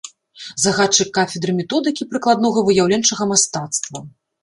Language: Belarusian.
Загадчык кафедры методыкі прыкладнога выяўленчага мастацтва.